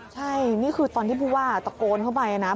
ใช่นี่คือตอนที่ผู้ว่าตะโกนเข้าไปนะ